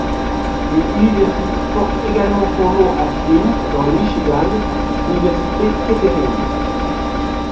Une université porte également son nom à Flint dans le Michigan, l'université Kettering.